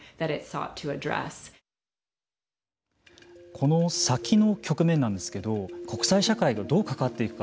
この先の局面なんですけど国際社会とどう関わっていくか